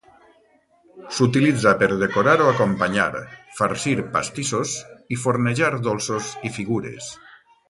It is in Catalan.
S'utilitza per decorar o acompanyar, farcir pastissos i fornejar dolços i figures.